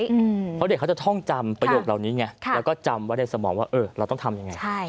เพราะเด็กเขาจะท่องจำประโยคเหล่านี้ไงแล้วก็จำไว้ในสมองว่าเออเราต้องทำยังไง